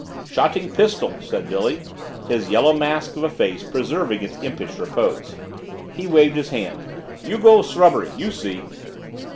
"Shotting pistol," said Billy, his yellow mask of a face preserving its impish repose. He waved his hand. "You go srubbery. You see."